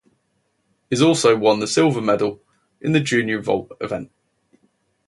He also won the silver medal in the junior vault event.